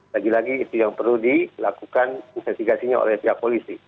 lagi lagi itu yang perlu dilakukan investigasinya oleh pihak polisi